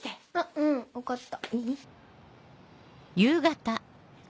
うん分かった。